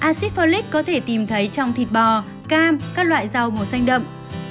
acid folic có thể tìm thấy trong thịt bò cam các loại rau màu xanh đậm